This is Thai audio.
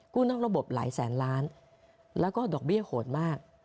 นอกระบบหลายแสนล้านแล้วก็ดอกเบี้ยโหดมาก